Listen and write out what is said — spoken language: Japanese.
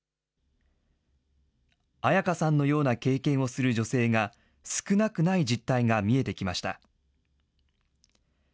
アヤカさんのような経験をする女性が少なくない実態が見えてきました。